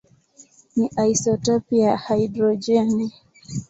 ni isotopi ya hidrojeni.